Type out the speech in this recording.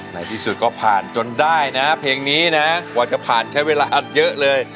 ในที่สุดก็ผ่านจนได้นะเพลงนี้นะกว่าจะผ่านใช้เวลาเยอะเลย